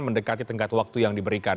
mendekati tengkat waktu yang diberikan